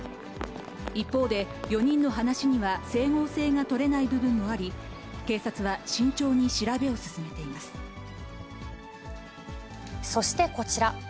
一方で、４人の話には整合性が取れない部分もあり、警察は慎重に調べを進そしてこちら。